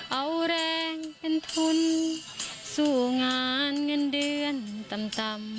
เอาแรงเป็นทุนสู้งานเงินเดือนต่ำ